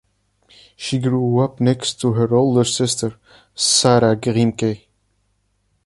She grew up next to her older sister, Sarah Grimké.